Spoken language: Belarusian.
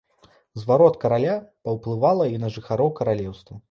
Зварот караля паўплывала і на жыхароў каралеўства.